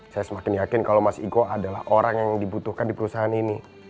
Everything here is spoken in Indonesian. saya semakin yakin kalau mas iko adalah orang yang dibutuhkan di perusahaan ini